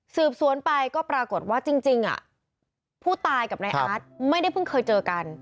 สืบสวนไปก็ปรากฏว่าจริงผู้ตายกับนายอาร์ตไม่ได้เพิ่งเคยเจอกัน